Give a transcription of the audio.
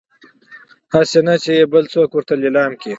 هسي نه چې يې بل څوک ورته ليلام کړي